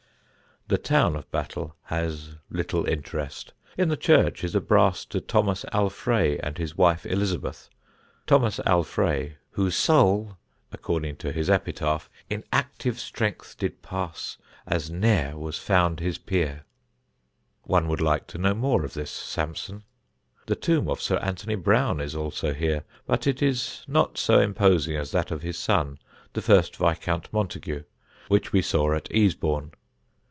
The town of Battle has little interest. In the church is a brass to Thomas Alfraye and his wife Elizabeth Thomas Alfraye "whose soul" according to his epitaph, In active strength did passe As nere was found his peere. One would like to know more of this Samson. The tomb of Sir Anthony Browne is also here; but it is not so imposing as that of his son, the first Viscount Montagu, which we saw at Easebourne.